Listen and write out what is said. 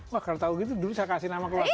wah kalau tau gitu dulu saya kasih nama keluarga